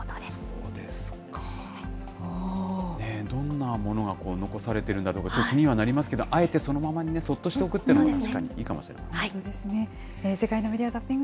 どんなものが残されているんだろうかと気にはなりますけど、あえてそのままそっとしておくというのも、確かにいいかもしれません。